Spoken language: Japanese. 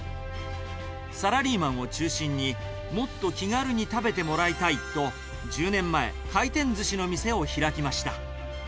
サラリーマンを中心に、もっと気軽に食べてもらいたいと、１０年前、回転ずしの店を開きました。